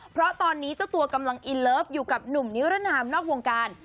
เพราะตอนนี้เจ้าตัวกำลังอินเลิฟอยู่กับหนุ่มนิรนามนอกวงการ